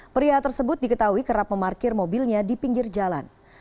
pria tersebut diketahui kerap memarkir mobilnya di pinggir jalan